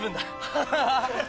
ハハハハ。